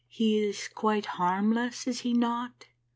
"He is quite harmless, is he not?"